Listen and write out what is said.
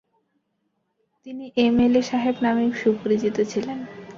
তিনি "M L A" সাহেব নামেই সুপরিচিত ছিলেন।